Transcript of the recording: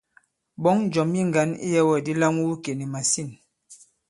Ɓɔ̌ŋ njɔ̀m yi ŋgǎn iyɛ̄wɛ̂kdi lam wu ikè nì màsîn.